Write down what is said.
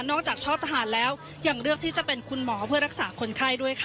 จากชอบทหารแล้วยังเลือกที่จะเป็นคุณหมอเพื่อรักษาคนไข้ด้วยค่ะ